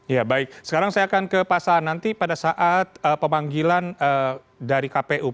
ya baik sekarang saya akan ke pak saan nanti pada saat pemanggilan dari kpu